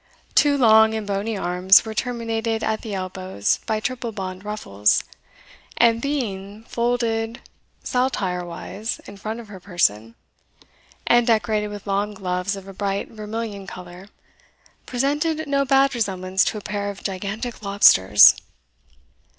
Two long and bony arms were terminated at the elbows by triple blond ruffles, and being, folded saltire ways in front of her person, and decorated with long gloves of a bright vermilion colour, presented no bad resemblance to a pair of gigantic lobsters.